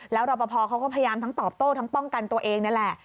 แล้วรอปภเขาก็พยายามทั้งตอบโต้ทั้งป้องกันตัวเองนี่แหละ